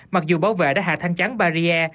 mặc dù bảo vệ đã hạ thanh trắng barrier